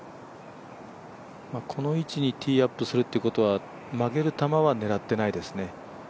この位置にティーアップするということは曲げる球は狙っていないですね。